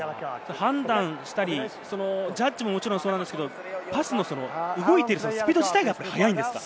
判断したり、ジャッジもそうですけど、パスの動いてるスピード自体が速いんですか？